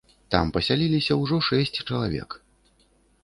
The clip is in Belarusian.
Там пасяліліся ўжо шэсць чалавек.